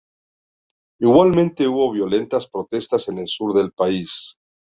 Igualmente hubo violentas protestas en el sur del país.